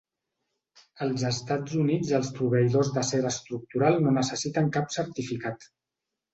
Als Estats Units els proveïdors d'acer estructural no necessiten cap certificat.